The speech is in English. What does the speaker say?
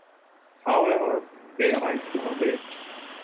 However, they arrive too late.